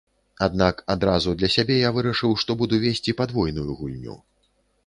Аднак адразу для сябе я вырашыў, што буду весці падвойную гульню.